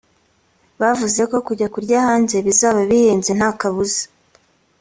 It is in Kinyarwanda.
Bavuze ko kujya kurya hanze bizaba bihenze nta kabuza